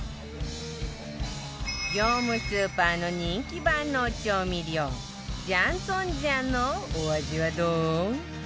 業務スーパーの人気万能調味料ジャンツォンジャンのお味はどう？